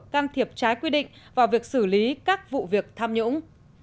can thiệp trái quy định vào việc xử lý các vụ việc tham nhũng